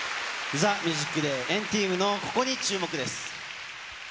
ＴＨＥＭＵＳＩＣＤＡＹ、＆ＴＥＡＭのここに注目です。